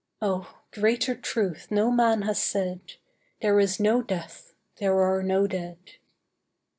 Oh, greater truth no man has said, 'There is no death, there are no dead.